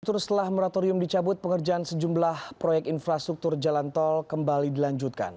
setelah moratorium dicabut pengerjaan sejumlah proyek infrastruktur jalan tol kembali dilanjutkan